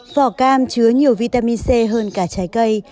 vỏ cam chứa nhiều vitamin c hơn cả trái cây